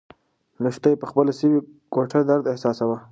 لښتې په خپله سوې ګوته درد احساساوه.